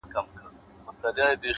o گرا ني خبري سوې پرې نه پوهېږم،